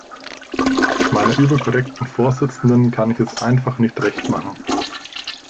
Meiner überkorrekten Vorsitzenden kann ich es einfach nicht recht machen.